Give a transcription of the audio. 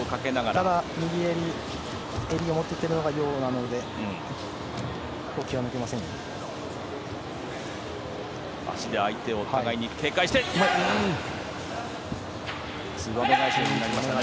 ただ、右襟を持てているのがヨウなので呼吸は抜けません。